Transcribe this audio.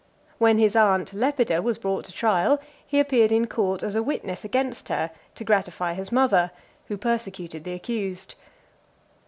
When his aunt, Lepida, was brought to trial, he appeared in court as a witness against her, to gratify his mother, who persecuted the accused.